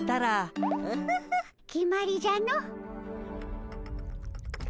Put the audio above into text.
オホホ決まりじゃの。